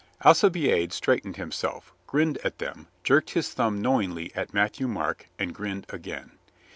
Alcibiade straightened himself, grinned at them, jerked his thumb knowingly at Matthieu Marc, and grinned again.